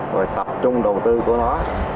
rồi tập trung đầu tư của nó